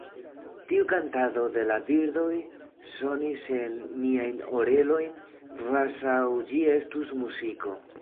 Tiu kantado de la birdoj sonis en miajn orelojn, kvazaŭ ĝi estus muziko.